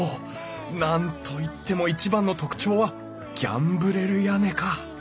何と言っても一番の特徴はギャンブレル屋根か。